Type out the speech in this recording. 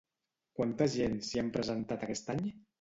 Quanta gent s'hi han presentat aquest any?